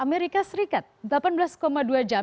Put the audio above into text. amerika serikat delapan belas dua jam